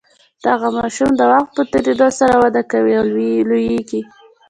دغه ماشوم د وخت په تیریدو سره وده کوي او لوییږي.